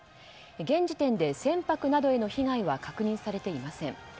現時点で船舶などへの被害は確認されていません。